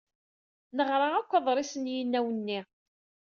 Neɣra akk aḍris n yinaw-nni.